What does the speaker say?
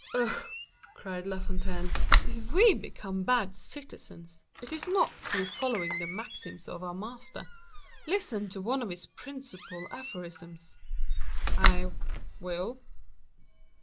"Oh!" cried La Fontaine, "if we become bad citizens, it is not through following the maxims of our master. Listen to one of his principal aphorisms." "I—will."